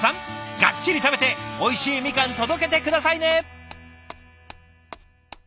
ガッチリ食べておいしいみかん届けて下さいね！